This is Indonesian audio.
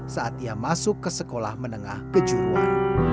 saat ia masuk ke sekolah menengah kejuruan